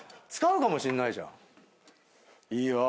使うかもしんないじゃん。